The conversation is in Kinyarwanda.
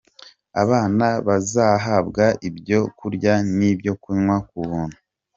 Abana bazahabwa ibyo kurya n’ibyo kunywa ku buntu.